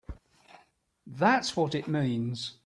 That's what it means!